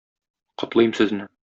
Котлыйм сезне!